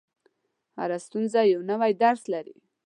• هره ستونزه یو نوی درس لري.